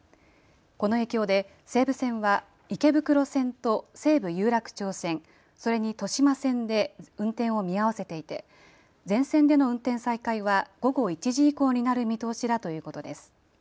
この影響で西武線は池袋線と西武有楽町線、それに豊島線で運転を見合わせていて全線での運転再開は午後１時以降になる見通しだということです。